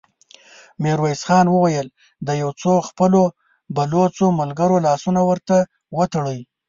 ميرويس خان وويل: د يو څو خپلو بلوڅو ملګرو لاسونه ور وتړئ!